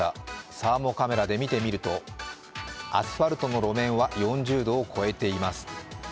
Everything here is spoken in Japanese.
サーモカメラで見てみるとアスファルトの路面は４０度を超えています